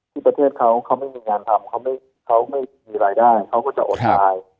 ที่ประเทศเค้าไม่มีงานทำเค้าไม่มีรายได้เค้าก็จะอดท้าย